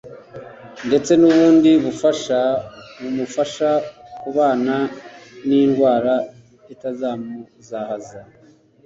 ndetse n’ubundi bufasha bumufasha kubana n’indwara itamuzahaza